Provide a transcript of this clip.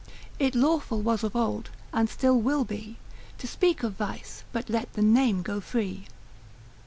It lawful was of old, and still will be, To speak of vice, but let the name go free.